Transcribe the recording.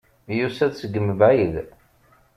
Yusa-d seg mebɛid.